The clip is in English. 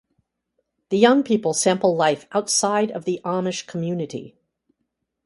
The young people sample life outside of the Amish community.